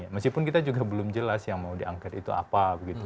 meskipun kita juga belum jelas yang mau diangket itu apa